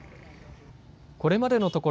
これまでのところ